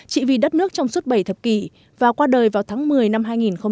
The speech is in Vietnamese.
chỉ vì đất nước trong suốt bảy thập kỷ và qua đời vào tháng một mươi năm hai nghìn một mươi tám